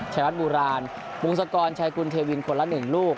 ชายวัดโบราณวงศกรชายกุลเทวินคนละ๑ลูก